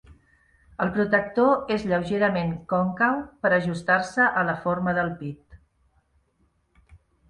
El protector és lleugerament còncau per ajustar-se a la forma del pit.